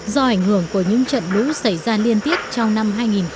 do ảnh hưởng của những trận lũ xảy ra liên tiếp trong năm hai nghìn một mươi chín